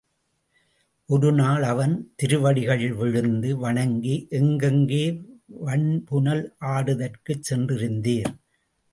ஒரு நாள் அவன் திருவடிகளில் விழுந்து வணங்கி எங்கெங்கே வண்புனல் ஆடுதற்குச் சென்றிருந்தீர்?